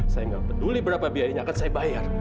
saya nggak peduli berapa biayanya akan saya bayar